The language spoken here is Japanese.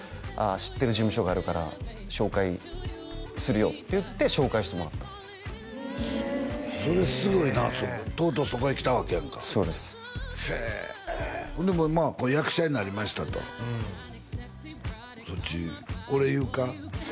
知ってる事務所があるから紹介するよって言って紹介してもらったそれすごいなとうとうそこへ来たわけやんかそうですへえほんで今は役者になりましたとそっち俺言うか？